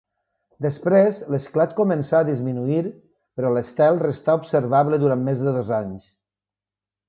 Després l'esclat començà a disminuir, però l'estel restà observable durant més de dos anys.